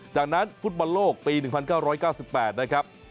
จากนั้นฟุตบันโลกปี๑๙๙๘